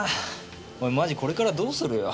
おいマジこれからどうするよ？